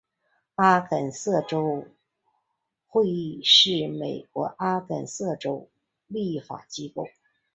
阿肯色州议会是美国阿肯色州的立法机构。